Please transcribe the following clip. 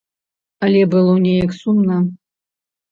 Але было неяк сумна.